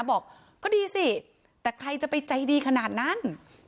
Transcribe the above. บอกก็ดีสิแต่ใครจะไปใจดีขนาดนั้น